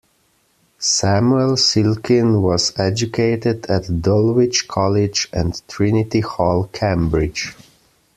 Samuel Silkin was educated at Dulwich College and Trinity Hall, Cambridge.